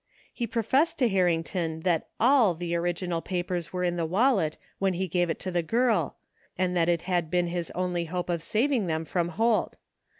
He professed to Harrington that all the original papers were in the wallet when he gave it to the girl, and that it had been his only hope of saving them from Holt.